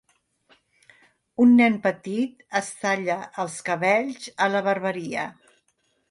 Un nen petit es talla els cabells a la barberia